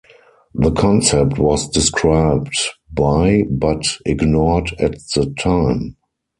The concept was described by but ignored at the time.